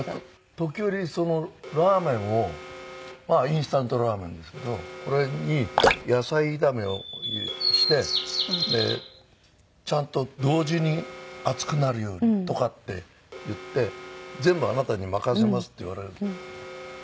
時折ラーメンをインスタントラーメンですけどこれに野菜炒めをしてちゃんと同時に熱くなるようにとかって言って全部あなたに任せますって言われる。